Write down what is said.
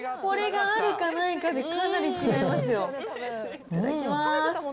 これがあるかないかでかなり違いますよ。